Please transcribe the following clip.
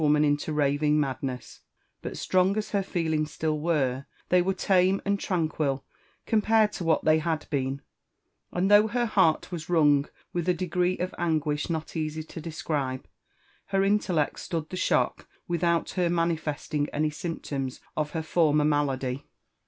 woman into raving madness ; but strong as her feelings still were, they were tame and tranquil compared to what they had been — and though her heart was wrung with a degree of. anguish not easy to describe, her intellect stood the shock without her mani festing any symptoms of her former malady.